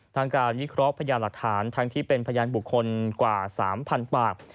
ทางการวิเคราะห์พยานหลักฐานทั้งที่เป็นพยานบุคคลกว่า๓๐๐๐ปาก